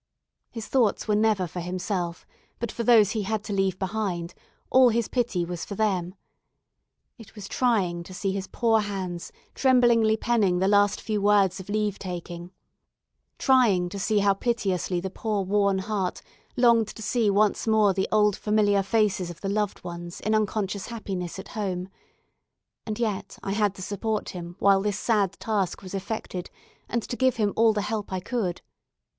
His thoughts were never for himself, but for those he had to leave behind; all his pity was for them. It was trying to see his poor hands tremblingly penning the last few words of leave taking trying to see how piteously the poor worn heart longed to see once more the old familiar faces of the loved ones in unconscious happiness at home; and yet I had to support him while this sad task was effected, and to give him all the help I could.